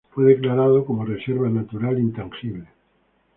Fue declarado como "Reserva Natural Intangible".